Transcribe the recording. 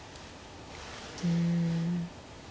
うん。